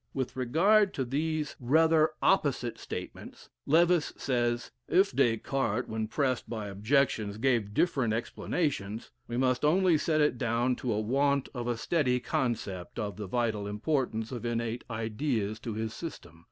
With regard to these rather opposite statements, Lewes says, "If Des Cartes, when pressed by objections, gave different explanations, we must only set it down to a want of a steady conception of the vital importance of innate ideas to his system.